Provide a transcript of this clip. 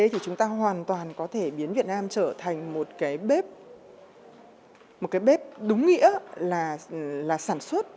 thì chúng ta hoàn toàn có thể biến việt nam trở thành một cái bếp đúng nghĩa là sản xuất